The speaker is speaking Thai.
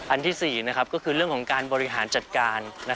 อันที่๔ก็คือเรื่องของการบริหารจัดการ